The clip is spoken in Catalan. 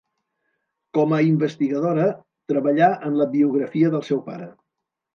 Com a investigadora treballà en la biografia del seu pare.